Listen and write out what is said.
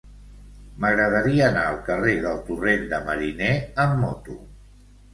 M'agradaria anar al carrer del Torrent de Mariner amb moto.